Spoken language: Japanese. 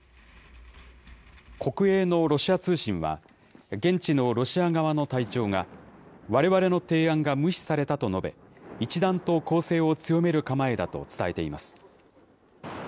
国営のロシア通信は、現地のロシア側の隊長が、われわれの提案が無視されたと述べ、一段と攻勢を強める構えだと伝えています。